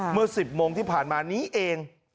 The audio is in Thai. เมื่อ๑๐โมงที่ผ่านมานี้เอง